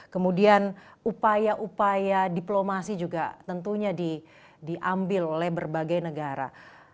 kemudian upaya upaya diplomasi juga tentunya diambil oleh berbagai negara